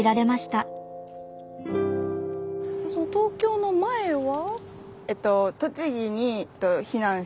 東京の前は？